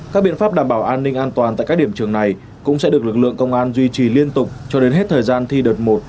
các biện pháp đảm bảo an ninh an toàn tại các điểm trường này cũng sẽ được lực lượng công an duy trì liên tục cho đến hết thời gian thi đợt một